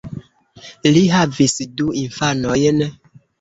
Li havis du infanojn.